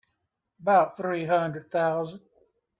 About three hundred thousand.